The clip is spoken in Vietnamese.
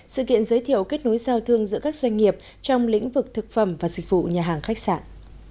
sự kiện giới thiệu kết nối giao thương giữa các doanh nghiệp trong lĩnh vực thực phẩm và dịch vụ nhà hàng khách sạn